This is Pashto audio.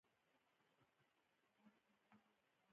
اوړه د ډوډۍ ارزانه شکل دی